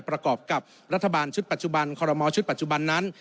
ประกอบกับรัฐบาลชุดปัจจุบันคอรมอลชุดปัจจุบันนั้น